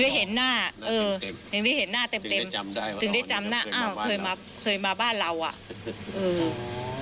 ยังได้เห็นหน้าเต็มถึงได้จำหน้าอ้าวเคยมาบ้านเราอ่ะอือ